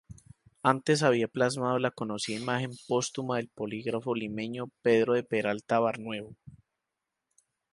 Antes había plasmado la conocida imagen póstuma del polígrafo limeño Pedro de Peralta Barnuevo.